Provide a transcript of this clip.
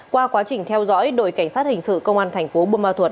qua quá trình theo dõi đội cảnh sát hình sự công an thành phố bôn ma thuật